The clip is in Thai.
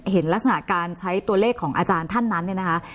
เห็นลักษณะการใช้ตัวเลขของอาจารย์ท่านนั้นเนี่ยนะคะ